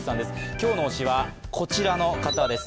今日の推しは、こちらの方です。